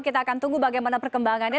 kita akan tunggu bagaimana perkembangannya